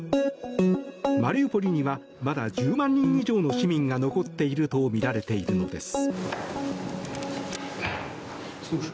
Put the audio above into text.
マリウポリにはまだ１０万人以上の市民が残っているとみられているのです。